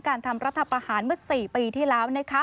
การทำรัฐประหารเมื่อ๔ปีที่แล้ว